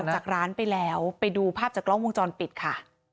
จากร้านไปแล้วไปดูภาพจากกล้องวงจรปิดค่ะ